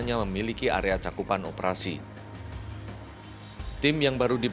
namun kalau enggak ini sih masih tak berguna